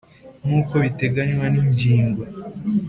nk’uko biteganywa ni ngingo